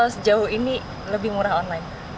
sejauh ini lebih murah online